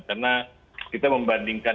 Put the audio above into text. karena kita membandingkan ini